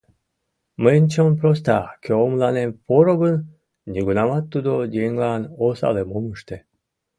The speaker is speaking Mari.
Мыйын чон проста: кӧ мыланем поро гын, нигунамат тудо еҥлан осалым ом ыште.